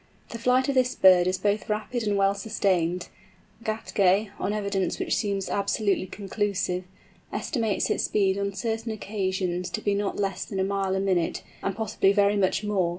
The flight of this bird is both rapid and well sustained. Gätke, on evidence which seems absolutely conclusive, estimates its speed on certain occasions to be not less than a mile a minute, and possibly very much more!